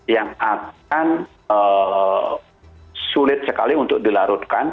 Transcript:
yang akan sulit sekali untuk dilarutkan